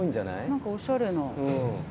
何かおしゃれな。